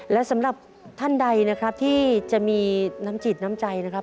และสำหรับท่านใดนะครับที่จะมีน้ำจิตน้ำใจนะครับ